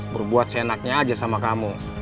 berbuat seenaknya aja sama kamu